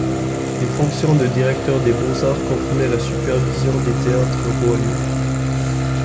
Les fonctions de directeur des beaux-arts comprenaient la supervision des théâtres royaux.